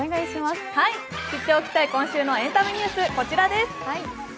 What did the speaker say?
知っておきたい今週のエンタメニュース、こちらです。